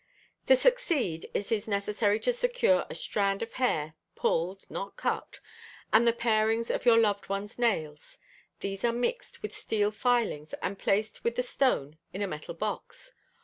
To succeed it is necessary to secure a strand of hair (pulled, not cut) and the parings of your loved one's nails; these are mixed with steel filings and placed with the "stone" in a metal box.